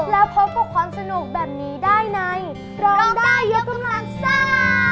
แล้วพบกับความสนุกแบบนี้ได้ในร้องได้ยกกำลังซ่า